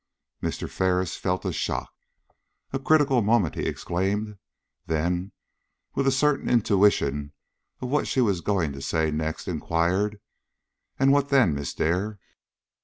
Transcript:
Mr. Ferris felt a shock. "A critical moment!" he exclaimed. Then, with a certain intuition of what she was going to say next, inquired: "And what then, Miss Dare?"